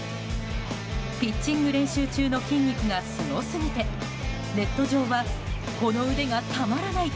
ピッチング練習中の筋肉がすごすぎてネット上はこの腕がたまらない。